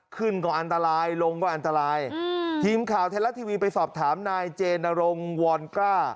ขึ้นก็อันตรายลงก็อันตรายอืมทีมข่าวไทยรัฐทีวีไปสอบถามนายเจนรงค์วอนกล้า